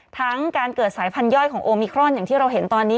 ทั้งการเกิดสายพันธย่อยของโอมิครอนอย่างที่เราเห็นตอนนี้